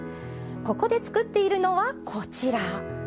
ここで作っているのは、こちら。